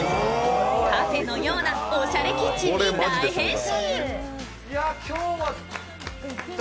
カフェのようなおしゃれキッチンに大変身！